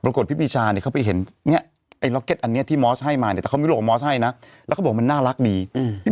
พี่ปีชาเนี่ยเขาไปเห็นเนี้ยไอ้ล็อกเก็ตอันเนี้ยที่มอสให้มาเนี่ยแต่เขามีโลกับมอสให้นะแล้วเขาบอกมันน่ารักดีอืม